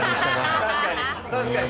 確かに。